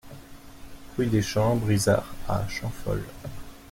Rue des Champs Brizards à Champhol